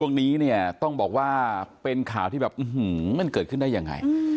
ช่วงนี้เนี่ยต้องบอกว่าเป็นข่าวที่แบบมันเกิดขึ้นได้ยังไง